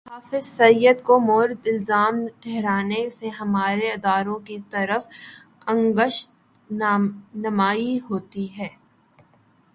اس طرح حافظ سعید کو مورد الزام ٹھہرانے سے ہمارے اداروں کی طرف انگشت نمائی ہوتی ہے۔